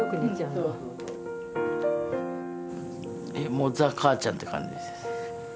もう「ザ・母ちゃん」って感じです。